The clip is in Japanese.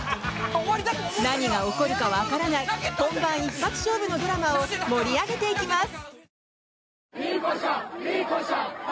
何が起こるかわからない本番一発勝負のドラマを盛り上げていきます！